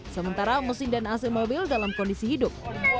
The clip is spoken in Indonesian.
sementara mesin dan ac mobil dalam kondisi hidup